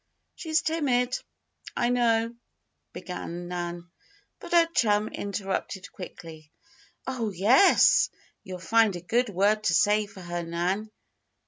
"She's timid, I know," began Nan, but her chum interrupted quickly: "Oh, yes! You'll find a good word to say for her, Nan.